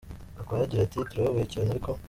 Gakwaya agira ati Turababaye cyane, ariko.